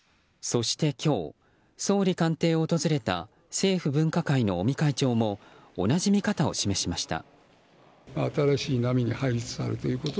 そして今日総理官邸を訪れた政府分科会の尾身会長も同じ見方を示しました。